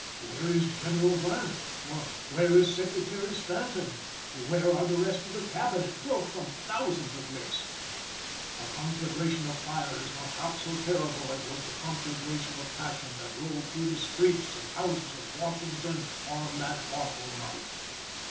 "Where is General Grant?" or "where is Secretary Stanton!" "Where are the rest of the cabinet?" broke from thousands of lips. A conflagration of fire is not half so terrible as was the conflagration of passion that rolled through the streets and houses of Washington on that awful night.